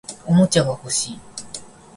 おもちゃが欲しい